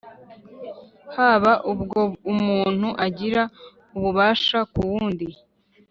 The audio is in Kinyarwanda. haba ubwo umuntu agira ububasha ku wundi